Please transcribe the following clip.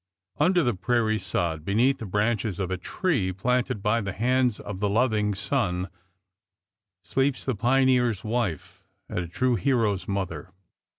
Under the prairie sod, beneath the branches of a tree planted by the hands of the loving son, sleeps the pioneer's wife and a true hero's mother.